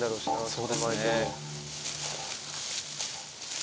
そうですね。